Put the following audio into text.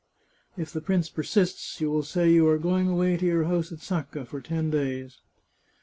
If the prince persists, you will say you are going away to your house at Sacca for ten days.